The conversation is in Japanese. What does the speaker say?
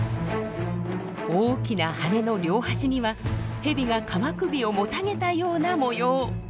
大きな羽の両端にはヘビが鎌首をもたげたような模様。